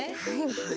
はい。